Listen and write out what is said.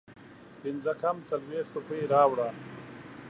پنځه کم څلوېښت روپۍ راوړه